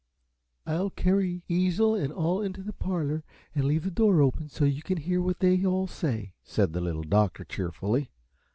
"I'll carry easel and all into the parlor, and leave the door open so you can hear what they all say," said the Little Doctor, cheerfully.